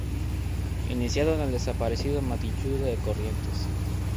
Iniciado en el desaparecido Mandiyú de Corrientes.